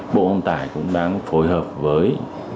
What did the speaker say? bộ hồng tài cũng đang phối hợp với